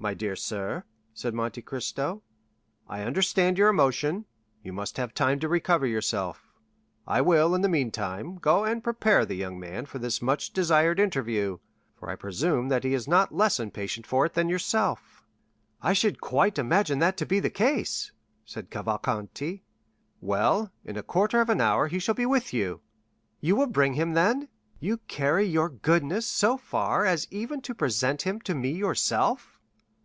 "My dear sir," said Monte Cristo, "I understand your emotion; you must have time to recover yourself. I will, in the meantime, go and prepare the young man for this much desired interview, for I presume that he is not less impatient for it than yourself." "I should quite imagine that to be the case," said Cavalcanti. "Well, in a quarter of an hour he shall be with you." "You will bring him, then? You carry your goodness so far as even to present him to me yourself?"